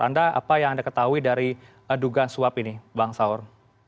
anda apa yang anda ketahui dari dugaan suap ini bang saur